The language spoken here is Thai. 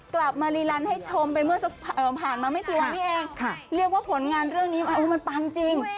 กลับมารีลันให้ชมไปเมื่อผ่านมาไม่กี่วันนี้เองเรียกว่าผลงานเรื่องนี้มันปังจริง